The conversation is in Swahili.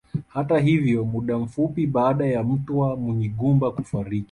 Hata hivyo muda mfupi baada ya Mtwa Munyigumba kufariki